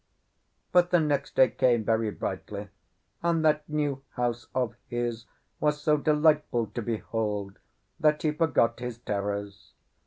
But the next day came very brightly, and that new house of his was so delightful to behold that he forgot his terrors.